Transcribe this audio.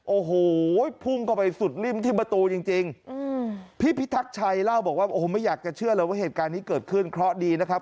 โอ้โหพุ่งเข้าไปสุดริ่มที่ประตูจริงพี่พิทักชัยเล่าบอกว่าโอ้โหไม่อยากจะเชื่อเลยว่าเหตุการณ์นี้เกิดขึ้นเคราะห์ดีนะครับ